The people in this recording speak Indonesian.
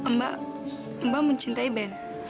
mbak mbak mencintai ben